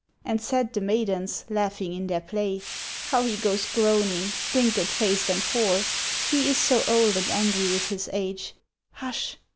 And said the maidens, laughing in their play, ' How he goes groaning, wrinkled faced and hoar, He is so old, and angry with his age — Hush